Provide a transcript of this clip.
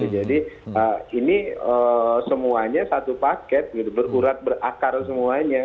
jadi ini semuanya satu paket berurat berakar semuanya